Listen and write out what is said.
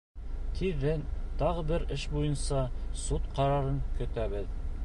Тиҙҙән тағы бер эш буйынса суд ҡарарын көтәбеҙ.